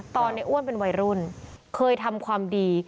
ในอ้วนเป็นวัยรุ่นเคยทำความดี